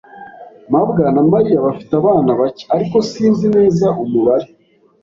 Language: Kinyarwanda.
mabwa na Mariya bafite abana bake, ariko sinzi neza umubare.